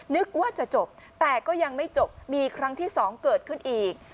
นึกว่าจะจบแต่ก็ยังไม่จบมีครั้งที่๒เกิดขึ้นอีก